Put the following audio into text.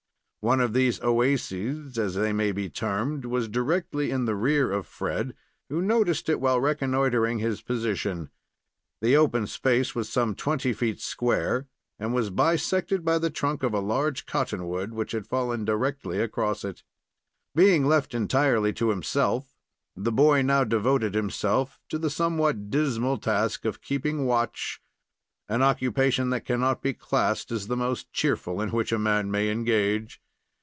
One of these oasis, as they may be termed, was directly in the rear of Fred, who noticed it while reconnoitering his position. The open space was some twenty feet square, and was bisected by the trunk of a large cottonwood, which had fallen directly across it. Being left entirely to himself, the boy now devoted himself to the somewhat dismal task of keeping watch, an occupation that cannot be classed as the most cheerful in which a man may engage.